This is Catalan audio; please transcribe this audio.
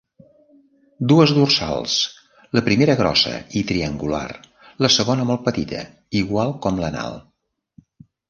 Dues dorsals, la primera grossa i triangular, la segona molt petita, igual com l'anal.